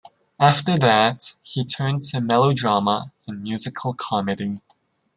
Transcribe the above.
After that, he turned to melodrama and musical comedy.